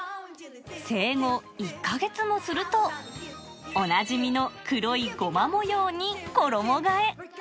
生後１か月もすると、おなじみの黒いゴマ模様に衣がえ。